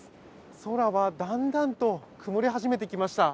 空はだんだんと曇り始めてきました。